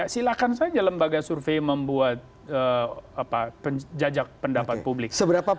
silakan saja lembaga survei membuat jajak pendapat publik